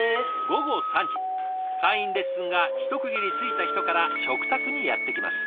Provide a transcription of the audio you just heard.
午後３時会員レッスンが一区切りついた人から食卓にやって来ます。